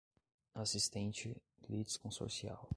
assistente litisconsorcial.